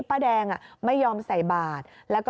เปรี้ยงที่นี้พ่อแดง